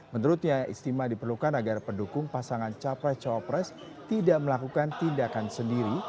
menurutnya istimewa diperlukan agar pendukung pasangan capres cawapres tidak melakukan tindakan sendiri